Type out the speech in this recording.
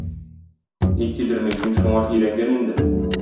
Ник тидермим, мин шуңар өйрәнгән инде.